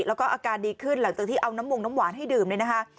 แล้วก็อาการดีขึ้นหลังจากที่เอาน้ำมงน้ำหวานให้ดื่มเนี่ยนะคะ